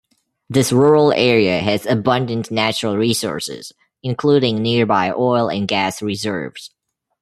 This rural area has abundant natural resources, including nearby oil and gas reserves.